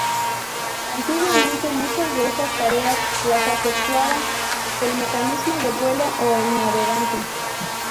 Antiguamente muchas de estas tareas las efectuaba el mecánico de vuelo o el navegante.